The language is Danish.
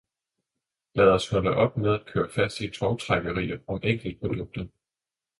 Lad os holde op med at køre fast i tovtrækkerier om enkeltprodukter.